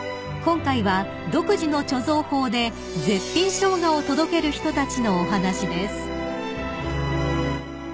今回は独自の貯蔵法で絶品ショウガを届ける人たちのお話です］